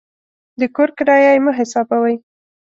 د کور کرایه یې مه حسابوئ.